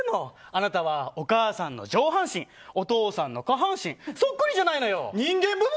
あなたは、お母さんの上半身お父さんの下半身そっくりじゃないのよ。